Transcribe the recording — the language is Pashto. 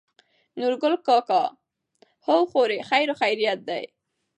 نورګل کاکا: هو خورې خېرخېرت دى.